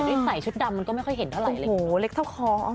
ด้วยใส่ชุดดำมันก็ไม่ค่อยเห็นเท่าไรเลยโอ้โหเล็กเท่าคอเออ